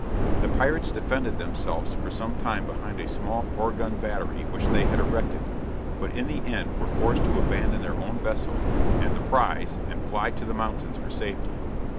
The pirates defended themselves for some time behind a small four gun battery which they had erected, but in the end were forced to abandon their own vessel and the prize and fly to the mountains for safety.